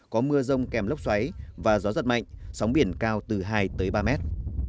có mưa rông kèm lốc xoáy và gió giật mạnh sóng biển cao từ hai tới ba mét